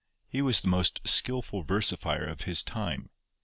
He was the most skilful versifier of his time.